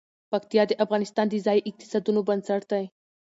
پکتیا د افغانستان د ځایي اقتصادونو بنسټ دی.